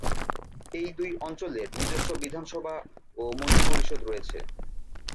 এই দুই অঞ্চলের নিজস্ব বিধানসভা ও মন্ত্রিপরিষদ রয়েছে।